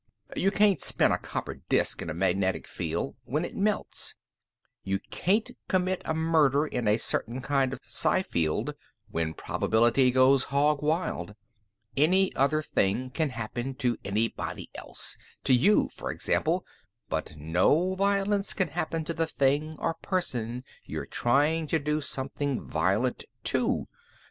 ... You can't spin a copper disk in a magnetic field when it melts. You can't commit a murder in a certain kind of psi field when probability goes hog wild. Any other thing can happen to anybody else to you, for example but no violence can happen to the thing or person you're trying to do something violent to.